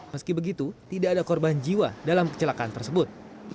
meski begitu tidak ada korban jiwa dalam kecelakaan tersebut